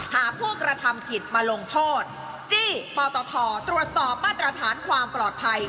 หาผู้กระทำผิดมาลงโทษจี้ปตทตรวจสอบมาตรฐานความปลอดภัย